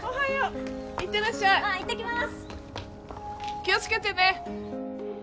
気を付けてね。